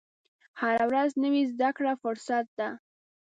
هره ورځ نوې زده کړه فرصت ده.